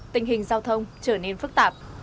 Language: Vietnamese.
tình hình giao thông trở nên phức tạp